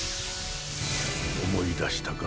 思い出したか？